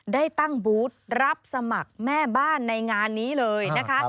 ได้ตั้งบูธรับสมัครแม่บ้านในงานนี้เลยนะคะ